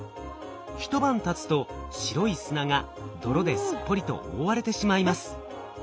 一晩たつと白い砂が泥ですっぽりと覆われてしまいます。